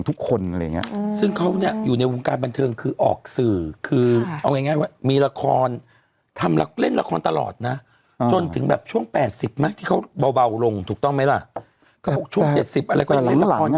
ถึงแบบช่วง๘๐มาที่เขาเบาลงถูกต้องไหมล่ะ